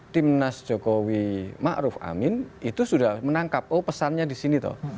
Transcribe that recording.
tim nas jokowi ma'ruf amin itu sudah menangkap pesannya di sini